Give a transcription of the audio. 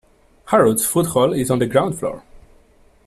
Harrods food hall is on the ground floor